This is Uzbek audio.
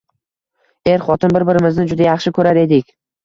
Er-xotin bir-birimizni juda yaxshi ko`rar edik